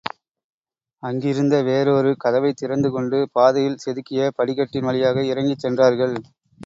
அங்கிருந்த வேறொரு கதவைத் திறந்து கொண்டு, பாதையில் செதுக்கிய படிக்கட்டின் வழியாக இறங்கிச் சென்றார்கள்.